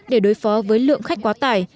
để đối phó với lượng khách quá tải